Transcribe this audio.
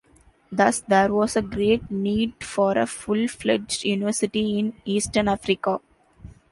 Thus there was a great need for a full-fledged university in Eastern Africa.